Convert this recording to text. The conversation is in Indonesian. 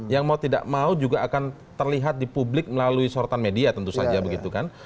yang mau tidak mau juga akan terlihat di publik melalui sorotan media tentu saja begitu kan